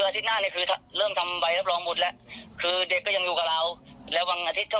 ไม่ได้มีตามที่เพจแชร์เนี่ยไม่ได้มีการเกี่ยวกับ